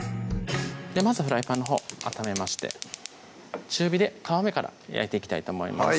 まずフライパンのほう温めまして中火で皮目から焼いていきたいと思います